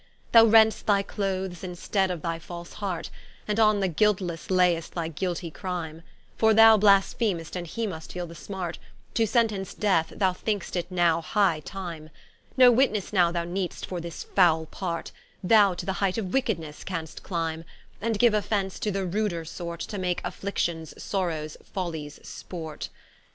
Thou rend'st thy cloathes in stead of thy false heart, And on the guiltlesse lai'st thy guilty crime; For thou blasphem'st, and he must feele the smart: To sentence death, thou think'st it now high time; No witnesse now thou need'st, for this fowle part, Thou to the height of wickednesse canst clime: And giue occasion to the ruder sort, To make afflictions, sorrows, follies sport.